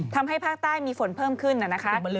ทำให้ภาคใต้มีฝนเพิ่มขึ้นนะคะ